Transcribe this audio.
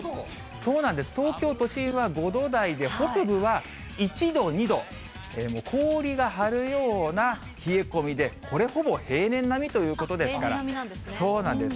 そうなんです、東京都心は５度台で、北部は１度、２度、氷が張るような冷え込みで、これ、ほぼ平年並みということで平年並みなんですね。